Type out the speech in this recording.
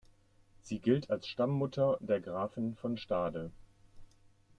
Sie gilt als Stammmutter der Grafen von Stade.